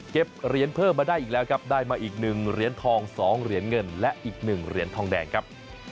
เหรียญเพิ่มมาได้อีกแล้วครับได้มาอีก๑เหรียญทอง๒เหรียญเงินและอีก๑เหรียญทองแดงครับ